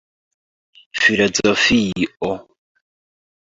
filozofio